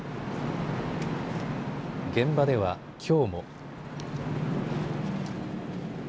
現場では、きょうも。